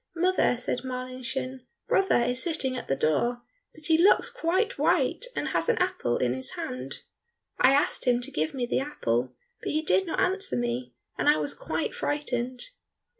"Mother," said Marlinchen, "brother is sitting at the door, and he looks quite white and has an apple in his hand. I asked him to give me the apple, but he did not answer me, and I was quite frightened."